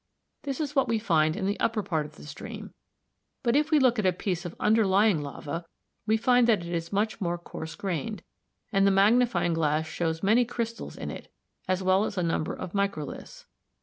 This is what we find in the upper part of the stream, but if we look at a piece of underlying lava we find that it is much more coarse grained, and the magnifying glass shows many crystals in it, as well as a number of microliths.